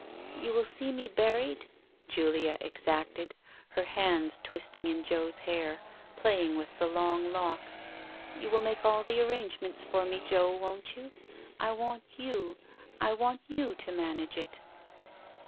"You will see me buried?" Julia exacted, her hands twisting in Joe's hair, playing with the long lock. ... "You will make all the arrangements for me, Joe, won't you ? I want you — I want you to manage it